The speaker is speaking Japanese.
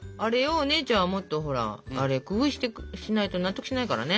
お姉ちゃんはもっとほら工夫しないと納得しないからね。